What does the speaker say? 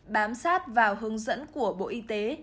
bám sát vào hướng dẫn của bộ y tế